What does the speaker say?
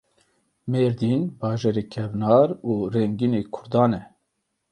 Mêrdîn bajarê kevnar û rengîn ê Kurdan e.